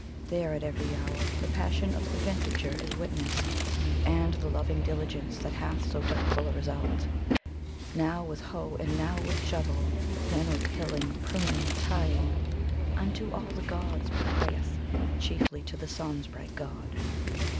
There at every hour the passion of the vintagier is witnessed. And the loving diligence, that hath so doubtful a result. Now with hoe and now with shovel, then with hilling, pruning, tying. Unto lUl the Gods be prayeth, chiefly to the Sun's bright god.